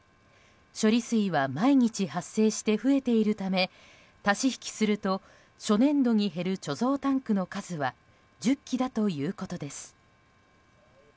処理水は毎日発生して増えているため足し引きすると初年度に減る貯蔵タンクの数は１０基だということです。